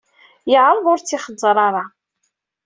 Yeɛreḍ ur tt-ixeẓẓer ara.